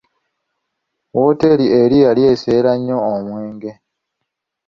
Wooteri eri yali esseera nnyo omwenge.